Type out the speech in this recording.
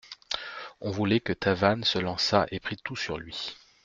On voulait que Tavannes se lançât et prît tout sur lui.